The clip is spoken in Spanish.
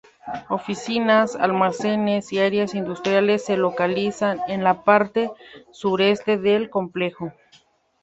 Oficinas, almacenes y áreas industriales se localizan en la parte sureste del complejo.